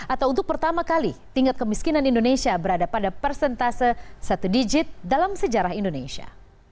atau untuk pertama kali tingkat kemiskinan indonesia berada pada persentase satu digit dalam sejarah indonesia